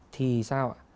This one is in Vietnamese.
thì sao ạ